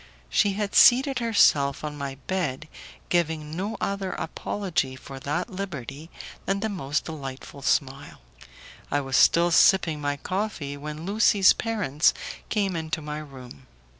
She had seated herself on my bed, giving no other apology for that liberty than the most delightful smile. I was still sipping my coffee, when Lucie's parents came into my room.